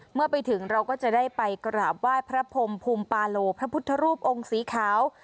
เมื่อไปถึงเราก็จะได้ไปกราบไหว้พระพรมภูมิปาโลพระพุทธรูปองค์สีขาว